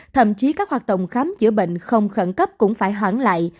thậm chí các hoạt động khám chữa bệnh không khẩn cấp cũng phải hoãn lại